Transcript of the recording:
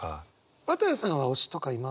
綿矢さんは推しとかいます？